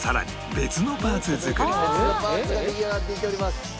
別のパーツが出来上がっていっております。